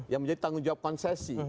yang menjadi tanggung jawab konsesi